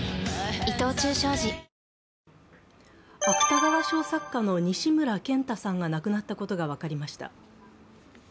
芥川賞作家の西村賢太さんが亡くなったことが分かりました。